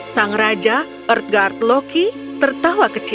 sang raja earthgard loki tertawa kecil